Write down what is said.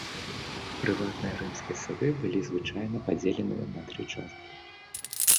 Прыватныя рымскія сады былі звычайна падзелены на тры часткі.